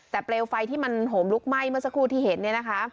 แต่เปลวไฟที่มันโหมลุกไหม้เมื่อสักครู่ที่เห็นเนี่ยนะคะ